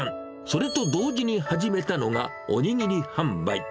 それと同時に始めたのが、おにぎり販売。